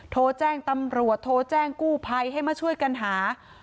โทรแจ้งตำรวจโทรแจ้งกู้ภัยให้มาช่วยกันหา